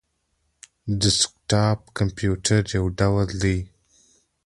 ډیسکټاپ د کمپيوټر یو ډول دی